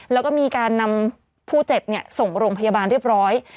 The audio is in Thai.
แล้วก็มีการนำผู้เจ็บส่งโรงพยาบาลเรียบร้อย